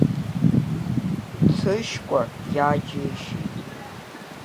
Ҭышькәа иааџьеишьеит.